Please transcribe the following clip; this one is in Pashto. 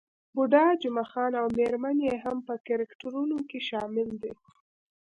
بوډا جمعه خان او میرمن يې هم په کرکټرونو کې شامل دي.